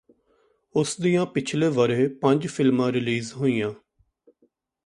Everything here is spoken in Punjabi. ਉਸ ਦੀਆਂ ਪਿਛਲੇ ਵਰ੍ਹੇ ਪੰਜ ਫ਼ਿਲਮਾਂ ਰਿਲੀਜ਼ ਹੋਈਆਂ